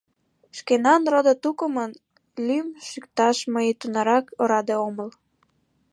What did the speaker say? Шкенан родо-тукымын лӱм шӱкташ мый тунарак ораде омыл.